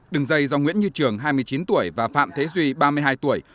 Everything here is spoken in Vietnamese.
đường dây do nguyễn như trường hai mươi chín tuổi và phạm thế duy ba mươi hai tuổi